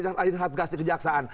tadi saat kejaksaan